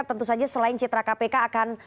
tentu saja selain citra kpk akan